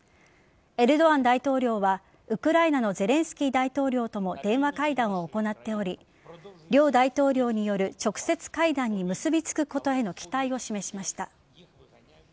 エルドアン大統領はウクライナのゼレンスキー大統領とも電話会談を行っており両大統領による直接会談に結びつくことへの期待を示しました。